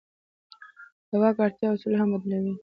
د واک اړتیا اصول هم بدلوي.